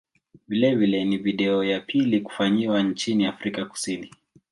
Vilevile ni video ya pili kufanyiwa nchini Afrika Kusini.